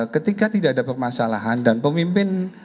ketika tidak ada permasalahan dan pemimpin